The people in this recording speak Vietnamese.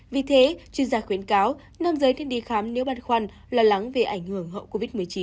vì thế chuyên gia khuyến cáo nam giới nên đi khám nếu băn khoăn lo lắng về ảnh hưởng hậu covid một mươi chín